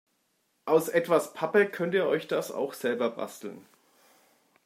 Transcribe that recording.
Aus etwas Pappe könnt ihr euch das auch selber basteln.